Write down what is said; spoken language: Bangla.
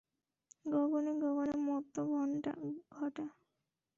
গগনে গগনে মত্ত ঘনঘটা।